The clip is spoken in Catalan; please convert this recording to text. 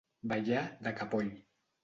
Ballar de capoll.